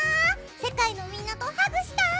世界のみんなとハグしたい。